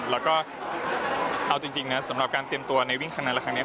แล้วก็เอาจริงนะสำหรับการเตรียมตัวในวิ่งครั้งนั้นและครั้งนี้